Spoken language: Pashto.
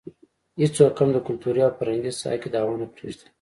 هېڅوک هم د کلتوري او فرهنګي ساحه کې دعوه نه پرېږدي.